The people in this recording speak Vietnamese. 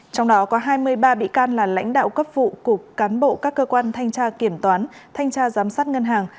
trong đó có hai mươi ba bị can là lãnh đạo cấp vụ của cán bộ các cơ quan thanh tra kiểm toán thanh tra giám sát ngân hàng